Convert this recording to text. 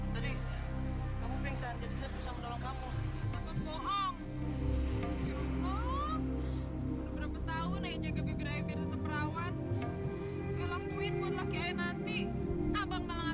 tuh gua lihat tadi bibir lu cuman masih nongles sama gua